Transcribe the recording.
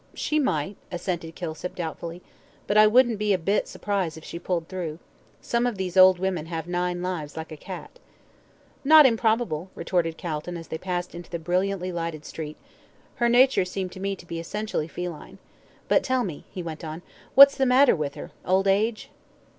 "She might," assented Kilsip, doubtfully; "but I wouldn't be a bit surprised if she pulled through. Some of these old women have nine lives like a cat." "Not improbable," retorted Calton, as they passed into the brilliantly lighted street; "her nature seemed to me to be essentially feline. But tell me," he went on, "what's the matter with her old age?"